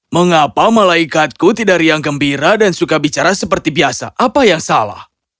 mengapa malaikatku tidak riang gembira dan suka bicara seperti biasa apa yang salah